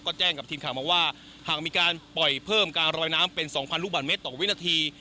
ก็แจ้งกับทีมข่าวมาว่าหากมีการปล่อยเพิ่มการลอยน้ำเป็น๒๐๐ลูกบาทเมตรต่อวินาที